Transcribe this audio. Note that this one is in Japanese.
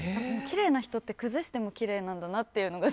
きれいな人って崩してもきれいなんだなって。